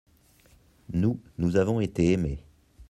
Nous, nous avons été aimés.